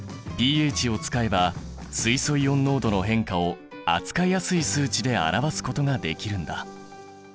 ｐＨを使えば水素イオン濃度の変化を扱いやすい数値で表すことができるんだ。